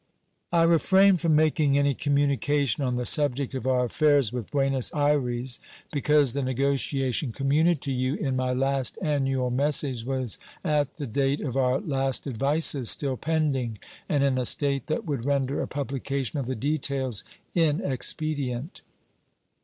I refrain from making any communication on the subject of our affairs with Buenos Ayres, because the negotiation communicated to you in my last annual message was at the date of our last advices still pending and in a state that would render a publication of the details inexpedient.